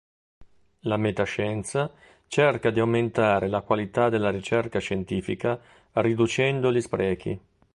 La metascienza cerca di aumentare la qualità della ricerca scientifica riducendo gli sprechi.